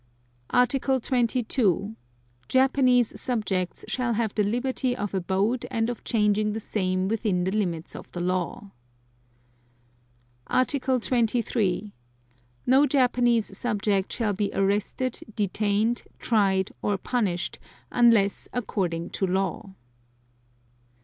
Article 22. Japanese subjects shall have the liberty of abode and of changing the same within the limits of the law. Article 23. No Japanese subject shall be arrested, detained, tried or punished, unless according to law.